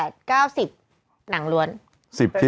ตอนนี้ดี